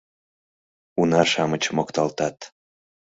Уна-шамыч мокталтат.